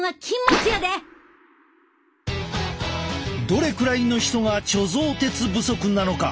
どれくらいの人が貯蔵鉄不足なのか？